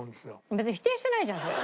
別に否定してないじゃんそれ。